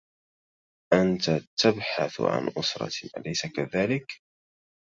أنت تبحث عن أسرة، أليس كذلك؟